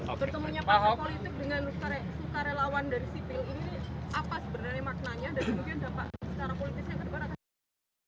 pertemunya parpol itu dengan sukarelawan dari sipil ini apa sebenarnya maknanya